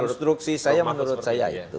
konstruksi saya menurut saya itu